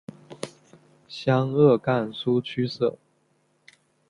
湘鄂赣苏区设。